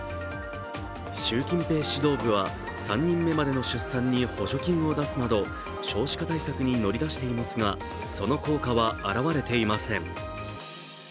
習近平指導部は３人目までの出産に補助金を出すなど、少子化対策に乗り出していますがその効果は表れていません。